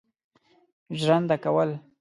ژرنده کول.